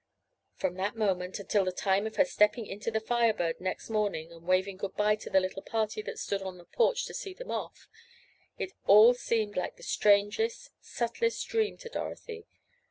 From that moment, until the time of her stepping into the Fire Bird next morning, and waving a good bye to the little party that stood on the porch to see them off, it all seemed like the strangest, subtlest dream to Dorothy.